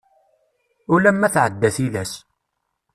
Ulama tɛedda tillas.